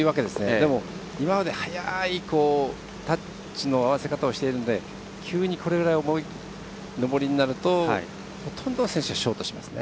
でも、今まで速いタッチの合わせ方をしてるので急にこれが上りになるとほとんどの選手はショートします。